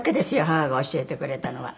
母が教えてくれたのは。